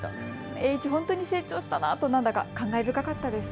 栄一、成長したなとなんだか感慨深かったです。